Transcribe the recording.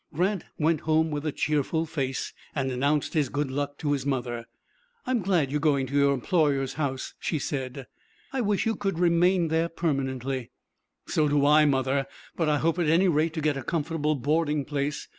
Grant went home with a cheerful face, and announced his good luck to his mother. "I am glad you are going to your employer's house," she said. "I wish you could remain there permanently." "So do I, mother; but I hope at any rate to get a comfortable boarding place.